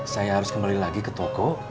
saya harus kembali lagi ke toko